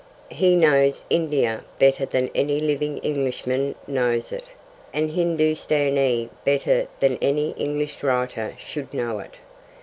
He knows India better than any living Englishman knows it, and Hindoostanee better than any English writer should know it.